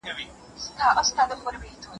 که عملي درس دوام لري، هیرېدنه نه کېږي.